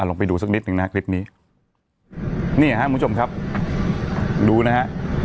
ลงไปดูสักนิดหนึ่งนะฮะคลิปนี้เนี่ยครับคุณผู้ชมครับดูนะฮะ